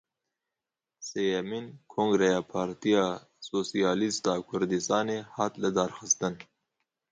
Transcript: Sêyemîn kongreya Partiya Sosyalîst a Kurdistanê hat lidarxistin.